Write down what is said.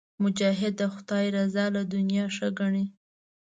مجاهد د خدای رضا له دنیا ښه ګڼي.